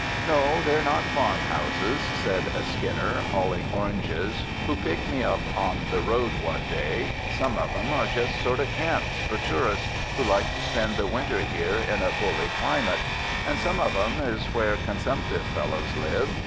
*'No, they're not farm houses," said a "skinner," hauling oranges, who picked me up on the road one day, ''some of 'em are just sort of camps for tour ists who like to spend the winter here in a bully cli mate ; and some of 'em is where consumptive fellows live.